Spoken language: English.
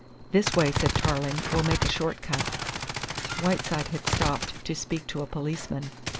"This way," said Tarling. "We'll make a short cut." Whiteside had stopped to speak to a policeman.